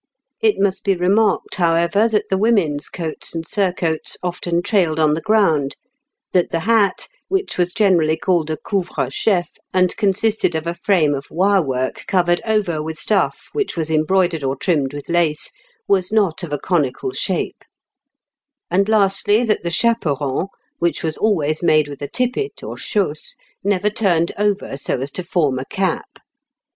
It must be remarked, however, that the women's coats and surcoats often trailed on the ground; that the hat which was generally called a couvre chef, and consisted of a frame of wirework covered over with stuff which was embroidered or trimmed with lace was not of a conical shape; and, lastly, that the chaperon, which was always made with a tippet, or chausse, never turned over so as to form a cap.